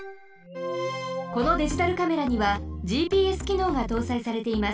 このデジタルカメラにはＧＰＳきのうがとうさいされています。